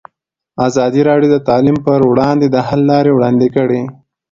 ازادي راډیو د تعلیم پر وړاندې د حل لارې وړاندې کړي.